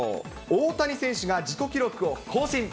大谷選手が自己記録を更新。